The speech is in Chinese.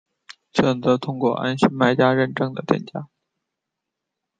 选择通过安心卖家认证的店家